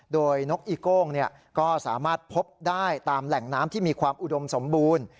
โดยนกอีโก้งก็สามารถพบได้ตามแหล่งน้ำที่มีความอุดมสมบูรณ์